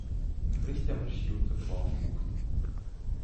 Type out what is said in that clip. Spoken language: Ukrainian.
Христя мерщій утекла у кухню.